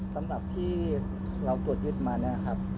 สำหรับที่เราตรวจยึดมาเนี่ยครับ